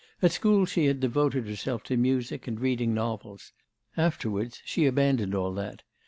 At school, she had devoted herself to music and reading novels; afterwards she abandoned all that.